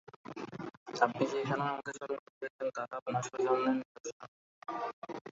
আপনি যে এখানেও আমাকে স্মরণ করিয়াছেন, তাহা আপনার সৌজন্যের নিদর্শন।